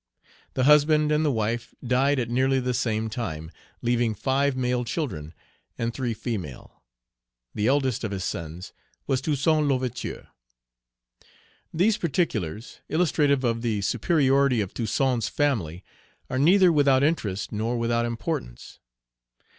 The husband and the wife died at nearly the same time, leaving five male children and three female. The eldest of his sons was Toussaint L'Ouverture. These particulars, illustrative of the superiority of Toussaint's family, are neither without interest nor without importance.